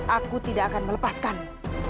aku tidak akan melepaskanmu